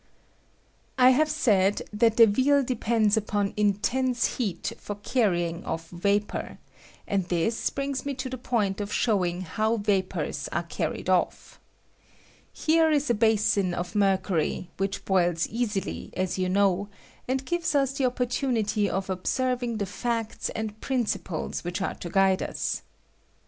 I have said that Deville depends upon intense beat for carrying o£F vapor, and this brings me to the point of showing how vapors are carried off. Here is a basin of mercury, which boils easily, as yon know, and gives us the oppor tunity of observing the facts and principles which are to guide us.